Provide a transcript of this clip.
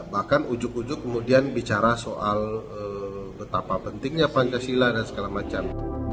bahkan ujuk ujuk kemudian bicara soal betapa pentingnya pancasila dan segala macam